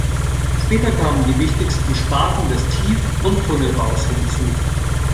Später kamen die wichtigsten Sparten des Tief- und Tunnelbaus hinzu.